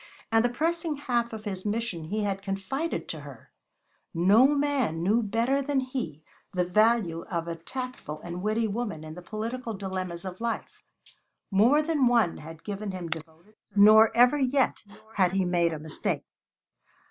And the pressing half of his mission he had confided to her! No man knew better than he the value of a tactful and witty woman in the political dilemmas of life; more than one had given him devoted service, nor ever yet had he made a mistake.